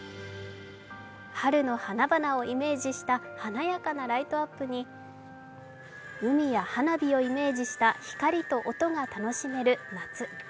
春の花々をイメージした華やかなライトアップに海や花火をイメージした光と音が楽しめる夏。